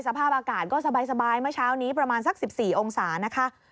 สภาพอากาศก็สบายเมื่อเช้านี้ประมาณสัก๑๔องศานะคะ